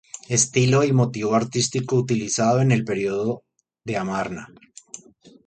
El estilo y motivo artístico utilizado es el del Período de Amarna.